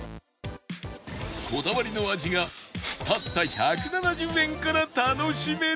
こだわりの味がたった１７０円から楽しめるぞ